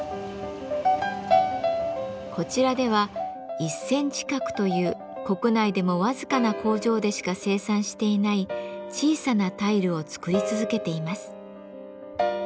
こちらでは１センチ角という国内でも僅かな工場でしか生産していない小さなタイルを作り続けています。